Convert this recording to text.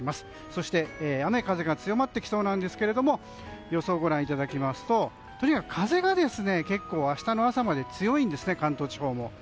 そして、雨風が強まってきそうなんですけども予想をご覧いただきますととにかく風が結構明日の朝まで強いんですね関東地方も。